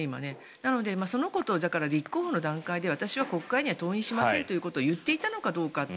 なのでそのことを立候補の段階で私は国会に登院しませんということを言っていたのかどうかって。